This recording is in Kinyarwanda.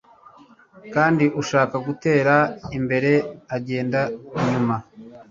kandi ushaka gutera imbere agenda inyuma